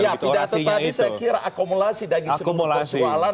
ya pidato tadi saya kira akumulasi dari semua persoalan